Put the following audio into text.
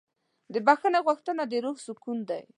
د بښنې غوښتنه د روح سکون ده.